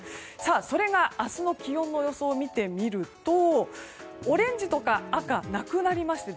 それが明日の気温の予想を見てみるとオレンジとか赤がなくなりまして